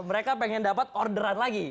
mereka pengen dapat orderan lagi